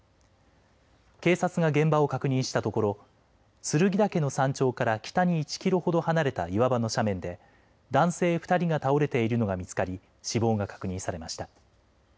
警察が現場を確認したところ剱岳の山頂から北に１キロほど離れた岩場の斜面で男性２人が倒れているのが見つかり死亡が確認されました。